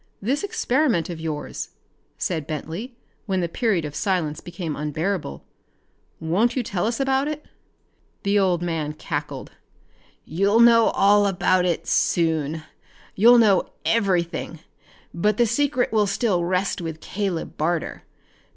"This experiment of yours," said Bentley when the period of silence became unbearable, " won't you tell us about it?" The old man cackled. "You'll know all about it soon! You'll know everything, but the secret will still rest with Caleb Barter.